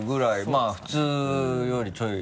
まぁ普通よりちょい。